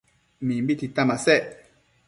Mimbi tita masec